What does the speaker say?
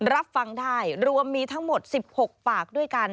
รับฟังได้รวมมีทั้งหมด๑๖ปากด้วยกัน